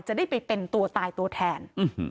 จะได้ไปเป็นตัวตายตัวแทน